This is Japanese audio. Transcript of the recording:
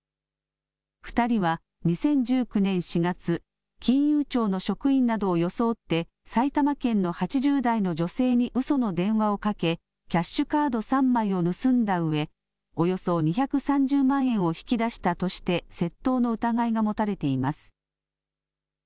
２人は２０１９年４月、金融庁の職員などを装って埼玉県の８０代の女性にうその電話をかけキャッシュカード３枚を盗んだうえ、およそ２３０万円を引き出したとして窃盗の疑いが持たれています。